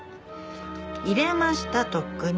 入れましたとっくに。